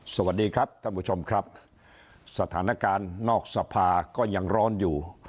สวัสดีครับท่านผู้ชมครับสถานการณ์นอกสภาก็ยังร้อนอยู่